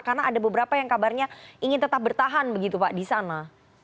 karena ada beberapa yang kabarnya ingin tetap bertahan begitu pak di sana